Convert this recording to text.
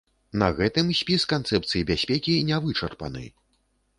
На гэтым спіс канцэпцый бяспекі не вычарпаны.